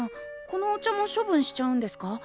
このお茶も処分しちゃうんですか？